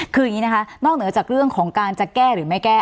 คืออย่างนี้นะคะนอกเหนือจากเรื่องของการจะแก้หรือไม่แก้